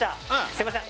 すいません